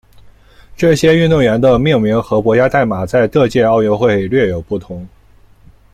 这些运动员的命名和国家代码在各届奥运会略有不同。